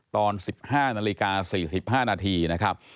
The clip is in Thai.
ตอน๑๕นาฬิกา๔๕นาทีนะครับ